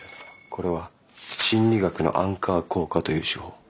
これは心理学のアンカー効果という手法。